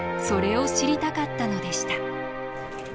それを知りたかったのでした。